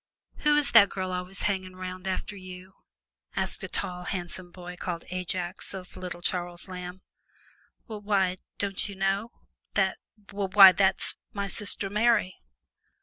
"Who is that girl always hanging 'round after you?" asked a tall, handsome boy, called Ajax, of little Charles Lamb. "Wh' why, don't you know that, wh' why that's my sister Mary!"